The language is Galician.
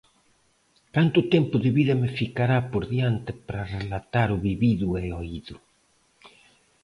¿Canto tempo de vida me ficará por diante para relatar o vivido e oído?